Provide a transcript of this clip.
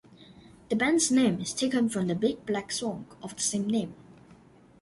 The band's name is taken from the Big Black song of the same name.